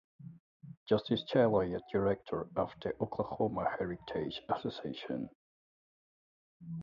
Justice Taylor is a director of the Oklahoma Heritage Association.